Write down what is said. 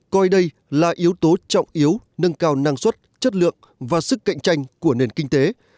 coi đây là yếu tố trọng yếu nâng cao năng suất chất lượng và sức cạnh tranh của nền kinh tế